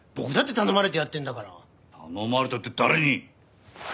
頼まれたって誰に？